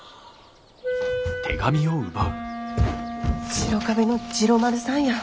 白壁の治郎丸さんや。